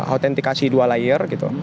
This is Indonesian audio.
autentikasi dua layer gitu